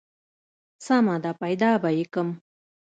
سمه ده پيدا به يې کم.